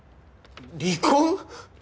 離婚！？